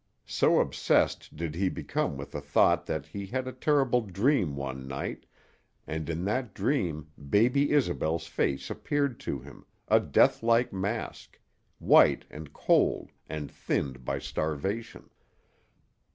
So obsessed did he become with the thought that he had a terrible dream one night, and in that dream baby Isobel's face appeared to him, a deathlike mask, white and cold and thinned by starvation.